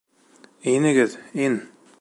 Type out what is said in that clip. Инегеҙ! Ин!